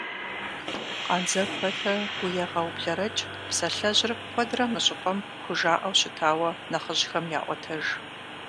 «Къандзэгу пэтрэ гу егъэублэрэкӀ» псалъэжьыр куэдрэ мы щӀыпӀэм хужаӀэу щытауэ нэхъыжьхэм яӀуэтэж.